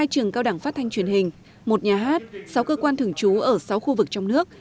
hai trường cao đẳng phát thanh truyền hình một nhà hát sáu cơ quan thường trú ở sáu khu vực trong nước